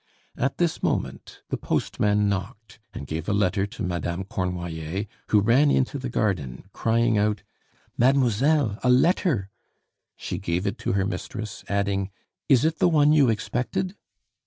At this moment the postman knocked, and gave a letter to Madame Cornoiller, who ran into the garden, crying out: "Mademoiselle, a letter!" She gave it to her mistress, adding, "Is it the one you expected?"